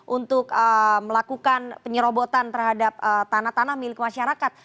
untuk melakukan penyerobotan terhadap tanah tanah milik masyarakat